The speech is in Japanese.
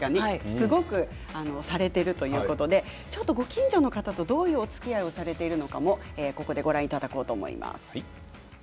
すごくされているということでご近所の方とどういうおつきあいをされているのかもご覧いただこうと思います。